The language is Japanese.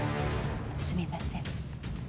すみません。